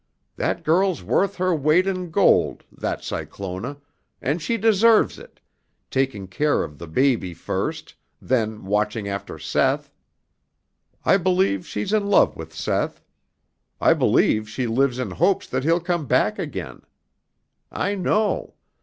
That girl's worth her weight in gold, that Cyclona, and she deserves it, taking care of the baby first, then watching after Seth. I believe she's in love with Seth. I believe she lives in hopes that he'll come back again. I know.